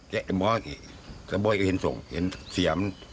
แก้ไม่มาแล้วเจ้าบ้อยก็เห็นส่งเห็นเสียม